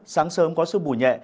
sáng sớm có sương bù nhẹ